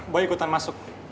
boy ikutan masuk